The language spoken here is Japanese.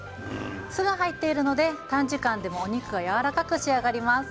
酢が入っているので短時間でもお肉がやわらかく仕上がります。